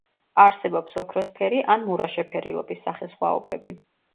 არსებობს ოქროსფერი ან მურა შეფერილობის სახესხვაობები.